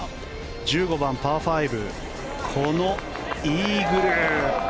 １５番、パー５このイーグル。